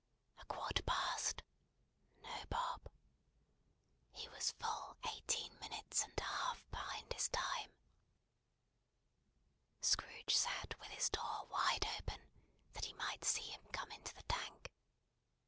A quarter past. No Bob. He was full eighteen minutes and a half behind his time. Scrooge sat with his door wide open, that he might see him come into the Tank.